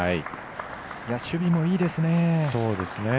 守備も、いいですね。